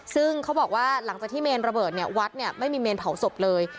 ซึ่งเขาบอกว่าหลังจากที่เมนระเบิดเนี่ยวัดเนี่ยไม่มีเมนเผาศพเลย